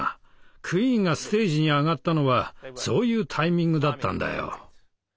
クイーンがステージに上がったのはそういうタイミングだったんだよ。